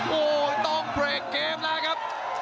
โอ้ต้องเกมแล้วครับ